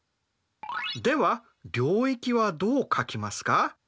では領域はどう書きますか？